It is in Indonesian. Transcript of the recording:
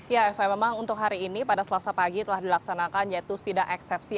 ya eva memang untuk hari ini pada selasa pagi telah dilaksanakan yaitu sidang eksepsi